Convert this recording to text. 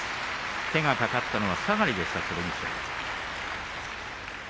手がかかったのは下がりでした剣翔。